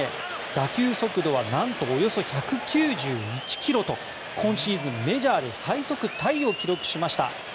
打球速度はなんとおよそ１９１ｋｍと今シーズン、メジャーで最速タイを記録しました。